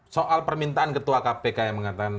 soal permintaan ketua kpk yang mengatakan